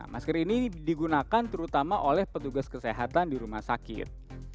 masker ini digunakan terutama oleh petugas kesehatan di rumah sakit